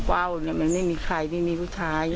ว้าวนี่มีใครนี่มีผู้ชายนะ